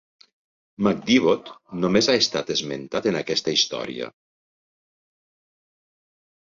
McDivot només ha estat esmentat en aquesta història.